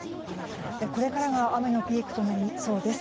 これからが雨のピークとなりそうです。